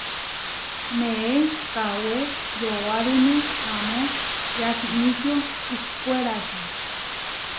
Neé kawé yowárune amó yasimičio ihkwérači.